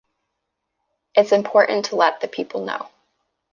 It's important to let the people know.